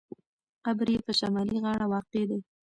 قبر یې په شمالي غاړه واقع دی.